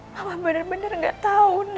mama bener bener gak tau